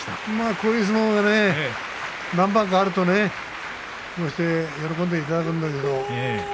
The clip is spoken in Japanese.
こういう相撲がね何番かあるとねこうやって喜んでいただけるんだけど。